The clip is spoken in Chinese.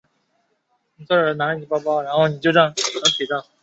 贝尔曼先后在布鲁克林学院和威斯康星大学学习数学。